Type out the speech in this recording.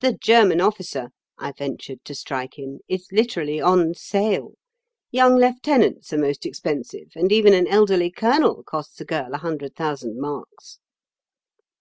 "The German officer," I ventured to strike in, "is literally on sale. Young lieutenants are most expensive, and even an elderly colonel costs a girl a hundred thousand marks."